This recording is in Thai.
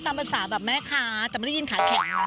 ตามภาษาแบบแม่ค้าแต่ไม่ได้ยินขาแข็ง